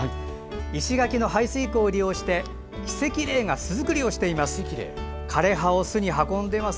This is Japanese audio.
石垣の排水口を利用してキセキレイが巣作りをしています。